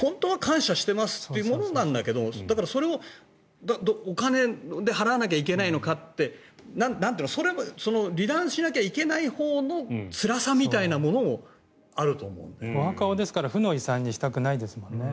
本当は感謝してますというものだけどだから、それをお金で払わなきゃいけないのかって離檀しなきゃいけないほうのつらさみたいなものもお墓を負の遺産にしたくないですもんね。